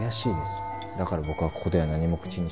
だから僕はここでは何も口にしません。